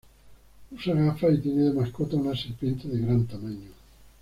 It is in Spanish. Usa gafas y tiene de mascota una serpiente de gran tamaño.